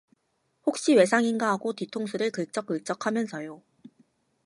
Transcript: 혹시 외상인가 하고 뒤통수를 긁적긁적하면서요.